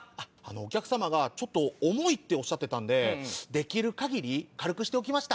お客様がちょっと重いっておっしゃってたんでできる限り軽くしておきました。